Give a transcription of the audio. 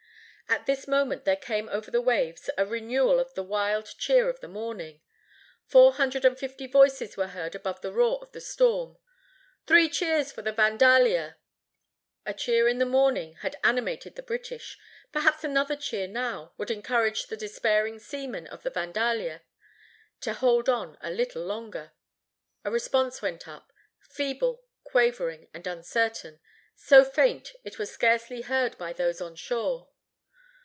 At this moment there came over the waves a renewal of the wild cheer of the morning. Four hundred and fifty voices were heard above the roar of the storm, "Three cheers for the Vandalia!" A cheer in the morning had animated the British; perhaps another cheer now would encourage the despairing seamen of the Vandalia to hold on a little longer. A response went up, feeble, quavering and uncertain, so faint it was scarcely heard by those on shore.